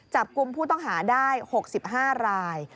จับกลุ่มผู้ต้องหาได้๖๕ราย